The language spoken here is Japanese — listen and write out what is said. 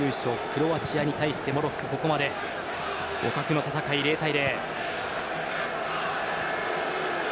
クロアチアに対してモロッコ、ここまで互角の戦い、０対０。